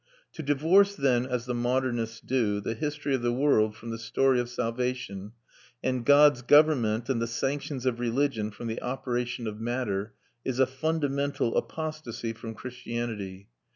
To divorce, then, as the modernists do, the history of the world from the story of salvation, and God's government and the sanctions of religion from the operation of matter, is a fundamental apostasy from Christianity.